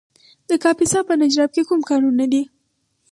د کاپیسا په نجراب کې کوم کانونه دي؟